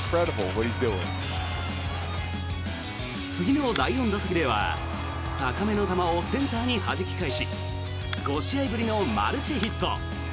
次の第４打席では高めの球をセンターにはじき返し５試合ぶりのマルチヒット。